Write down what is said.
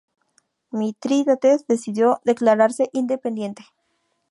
Mitrídates decidió declararse independiente.